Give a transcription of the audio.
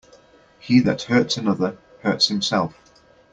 He that hurts another, hurts himself.